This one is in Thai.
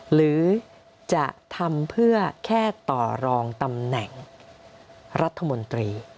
หรือจะทำเพื่อแค่ต่อรองตำแหน่งรัฐมนตรี